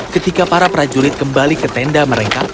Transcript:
ketika para prajurit kembali ke tenda mereka